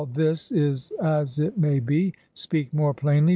this is as it may be. Speak more plainly.